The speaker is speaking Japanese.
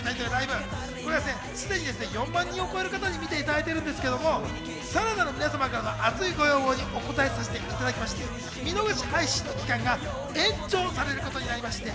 すでに４万人を超える方に見ていただいているんですけれども、さらなる皆様からの熱いご要望にお応えしまして、見逃し配信の期間が延長されることになりまして。